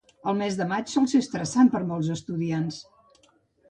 El mes de maig sol ser estressant per a molts estudiants.